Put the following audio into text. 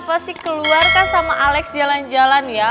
pasti keluar kan sama alex jalan jalan ya